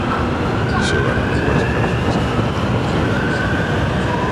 Xogará no Huesca a súa saída do Deportivo.